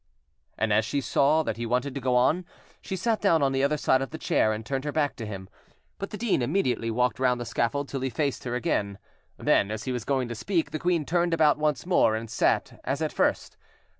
And as she saw that he wanted to go on, she sat down on the other side of the chair and turned her back to him; but the dean immediately walked round the scaffold till he faced her again; then, as he was going to speak, the queen turned about once more, and sat as at first.